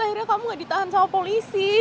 akhirnya kamu gak ditahan sama polisi